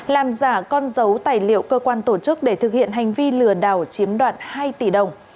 làm giả con dấu tài liệu cơ quan tổ chức để thực hiện hành vi lừa đảo chiếm đoạt hai tỷ đồng